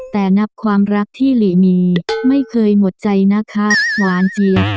แต่นับความรักที่หลีมีไม่เคยหมดใจนะคะหวานเจีย